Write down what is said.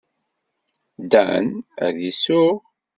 Dan ad isuɣ.